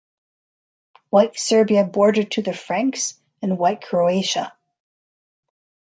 White Serbia bordered to the Franks and White Croatia.